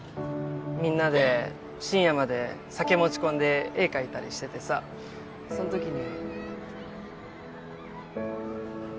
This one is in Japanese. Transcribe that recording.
みんなで深夜まで酒持ち込んで絵描いたりしててさそんときに。